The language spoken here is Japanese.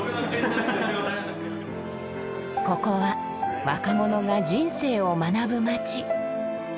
ここは若者が人生を学ぶ街。